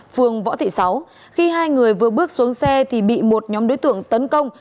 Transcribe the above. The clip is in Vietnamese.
phường võ thị sáu khi hai người vừa bước xuống xe thì bị một nhóm đối tượng tấn công